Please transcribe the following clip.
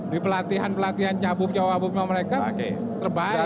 di pelatihan pelatihan cabut cabut mereka terbaik